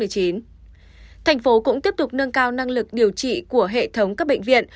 tp hcm cũng tiếp tục nâng cao năng lực điều trị của hệ thống các bệnh viện